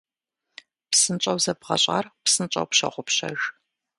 Псынщӏэу зэбгъащӏэр псынщӏэу пщогъупщэж.